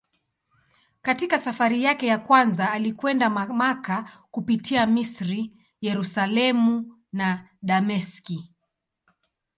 Katika safari yake ya kwanza alikwenda Makka kupitia Misri, Yerusalemu na Dameski.